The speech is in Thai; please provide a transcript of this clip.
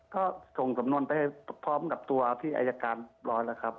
ก็ส่งสำนวนไปพร้อมกับตัวพี่อายการเรียบร้อยแล้วครับ